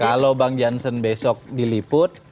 kalau bang jansen besok diliput